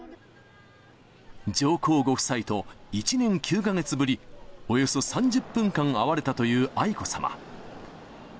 上皇ご夫妻と１年９か月ぶり、およそ３０分間会われたという愛子さま。